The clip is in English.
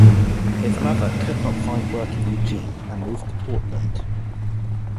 His mother could not find work in Eugene and moved to Portland.